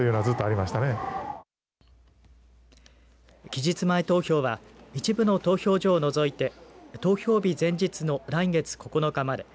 期日前投票は一部の投票所を除いて投票日前日の来月９日まで。